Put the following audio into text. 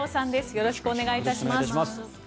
よろしくお願いします。